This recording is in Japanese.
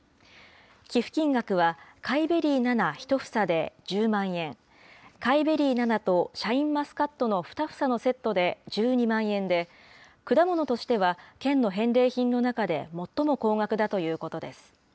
寄付金額は甲斐ベリー７１房で１０万円、甲斐ベリー７とシャインマスカットの２房のセットで１２万円で、果物としては県の返礼品の中で最も高額だということです。